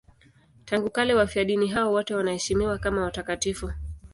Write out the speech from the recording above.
Tangu kale wafiadini hao wote wanaheshimiwa kama watakatifu.